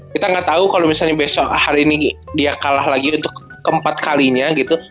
kita nggak tahu kalau misalnya besok hari ini dia kalah lagi untuk keempat kalinya gitu